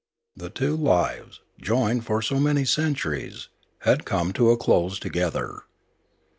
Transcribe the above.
The two lives, joined for so many centuries, had come to a close together.